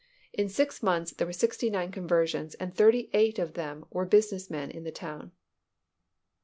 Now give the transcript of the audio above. In six months, there were sixty nine conversions, and thirty eight of them were business men of the town.